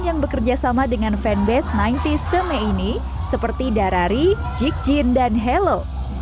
yang bekerja sama dengan fanbase sembilan puluh s temennya ini seperti darari jikjin dan hello